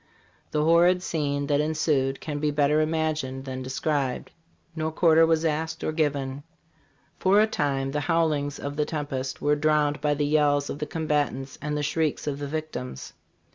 The horrid scene that ensued can be better imagined than described. No quarter was asked or given. For a time the bowlings of the tempest were drowned by the yells of the combatants and the shrieks of the victims.